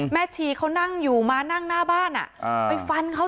ชีเขานั่งอยู่มานั่งหน้าบ้านไปฟันเขา